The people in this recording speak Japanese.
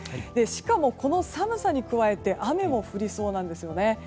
しかもこの寒さに加えて雨も降りそうなんですよね。